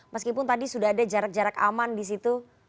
meskipun tadi sudah ada jarak jarak aman di situ